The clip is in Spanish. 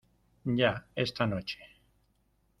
ya. esta noche .